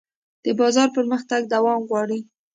د بازار پرمختګ دوام غواړي.